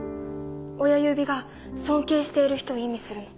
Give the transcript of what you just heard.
親指が尊敬している人を意味するの。